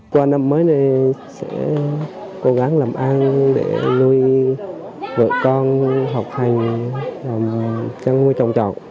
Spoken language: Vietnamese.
qua năm mới này sẽ cố gắng làm ăn để nuôi vợ con học hành chăn nuôi trồng trọc